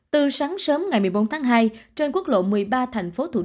từ sáng sớm ngày một mươi bốn tháng hai trên quốc lộ một mươi ba tp th